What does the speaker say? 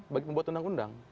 bagi pembuat undang undang